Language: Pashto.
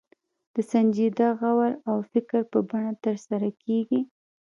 د سنجیده غور او فکر په بڼه ترسره کېږي.